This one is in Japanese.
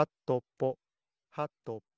はとぽ。